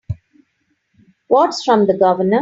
What's from the Governor?